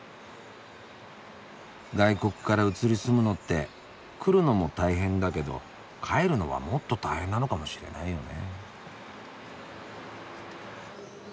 外国から移り住むのって来るのも大変だけど帰るのはもっと大変なのかもしれないよね。